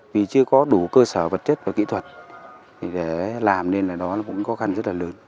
vì chưa có đủ cơ sở vật chất và kỹ thuật để làm nên là nó cũng khó khăn rất là lớn